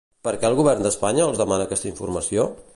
Per què el Govern d'Espanya els demana aquesta informació?